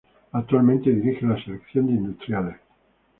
Actualmente dirige la selección de Industriales.